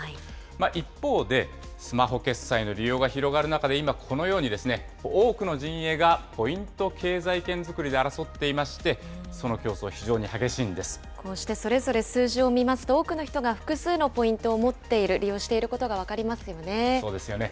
一方で、スマホ決済の利用が広がる中で、今、このように多くの陣営がポイント経済圏作りで争っていまして、その競争、非常に激しこうしてそれぞれ数字を見ますと、多くの人が複数のポイントを持っている、利用していることそうですよね。